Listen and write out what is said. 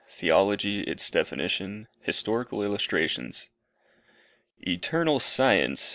THEOLOGY ITS DEFINITION HISTORICAL ILLUSTRATIONS. Eternal Science!